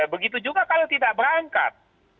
begitu juga kalau tidak berangkat